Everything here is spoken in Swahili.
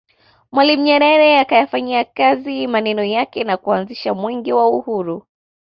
Mwalimu Nyerere akayafanyia kazi maneno yake na kuanzisha Mwenge wa Uhuru